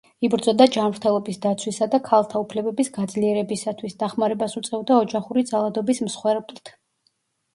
იბრძოდა ჯანმრთელობის დაცვისა და ქალთა უფლებების გაძლიერებისათვის, დახმარებას უწევდა ოჯახური ძალადობის მსხვერპლთ.